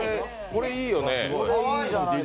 これいいよね。